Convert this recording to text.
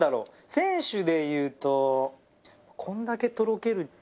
選手でいうとこれだけとろける。